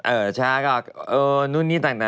เออใช่ค่ะนู่นนี่ต่าง